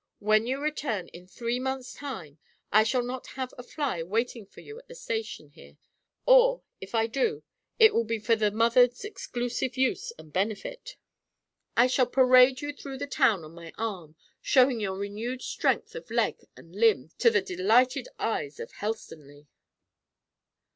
When you return, in three months' time, I shall not have a fly waiting for you at the station here, or if I do, it will be for the mother's exclusive use and benefit; I shall parade you through the town on my arm, showing your renewed strength of leg and limb to the delighted eyes of Helstonleigh."